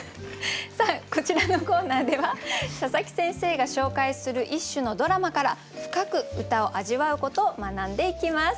さあこちらのコーナーでは佐佐木先生が紹介する一首のドラマから深く歌を味わうことを学んでいきます。